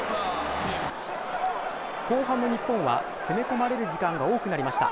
後半の日本は攻め込まれる時間が多くなりました。